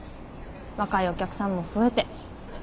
若いお客さんも増えて。